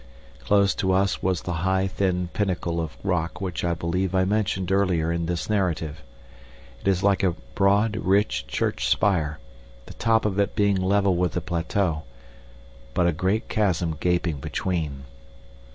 Close to us was the high thin pinnacle of rock which I believe I mentioned earlier in this narrative. It is like a broad red church spire, the top of it being level with the plateau, but a great chasm gaping between.